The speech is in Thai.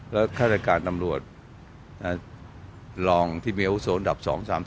แล้วฆ่าจัดการตำรวจรองที่มีอาวุโสดับ๒๓๔